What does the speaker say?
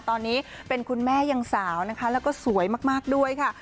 ตอนนี้เป็นคุณแม่ยังสาวนะคะแล้วก็สวยมากด้วยค่ะ